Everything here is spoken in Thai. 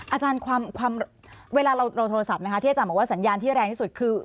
อาจารย์ความเวลาเราโทรศัพท์ไหมคะที่อาจารย์บอกว่าสัญญาณที่แรงที่สุดคือ